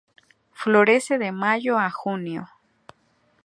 Florece de mayo a junio.